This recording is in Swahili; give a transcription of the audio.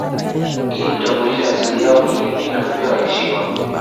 Ili kutambulisha asili yao ni ipi na kupewa heshima